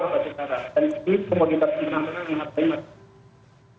dan ini komoditasnya yang menghargai masyarakat